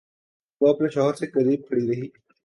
وہ اپنے شوہر سے قریب کھڑی رہی۔